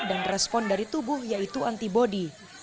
dan respon dari tubuh yaitu antibody